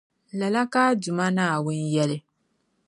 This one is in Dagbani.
Lala ka a Duuma Naawuni yεli.